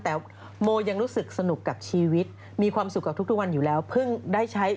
เขาก็คงหมายถึงว่าแบบจะทำอะไรก็ไปทำได้อะไรอย่างนี้ไง